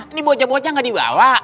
ini bocah bocah nggak dibawa